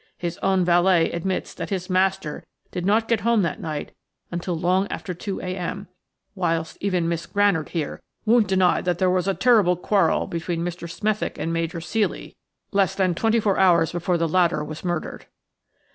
His own valet admits that his master did not get home that night until long after 2.0 a.m., whilst even Miss Granard here won't deny that there was a terrible quarrel between Mr. Smethick and Major Ceely less than twenty four hours before the latter was murdered."